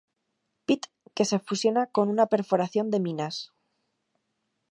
Pit, que se fusiona con una perforación de minas.